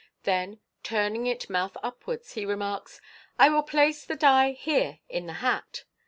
Then, turning it mouth upwards, he remarks, " I will place the die here in the hat."